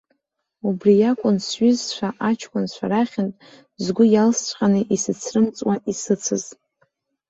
Убри иакәын сҩызцәа аҷкәынцәа рахьтә, згәы иалсҵәҟьаны, исыцрымҵуа исыцыз.